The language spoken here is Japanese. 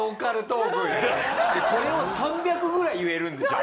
これを３００ぐらい言えるんでしょ？